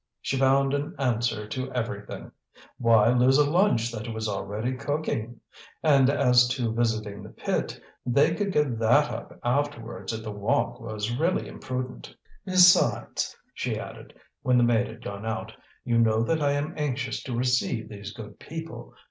She found an answer to everything. Why lose a lunch that was already cooking? And as to visiting the pit, they could give that up afterwards if the walk was really imprudent. "Besides," she added, when the maid had gone out, "you know that I am anxious to receive these good people.